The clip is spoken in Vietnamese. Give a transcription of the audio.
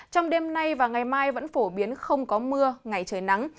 trong đêm nay và ngày mai vẫn phổ biến không có mưa ngày trời nắng